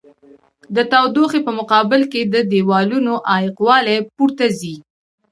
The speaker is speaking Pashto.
د تودوخې په مقابل کې د دېوالونو عایق والي پورته ځي.